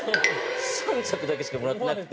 ３着だけしかもらってなくて。